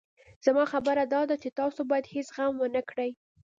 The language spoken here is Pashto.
زما خبره داده چې تاسو بايد هېڅ غم ونه کړئ.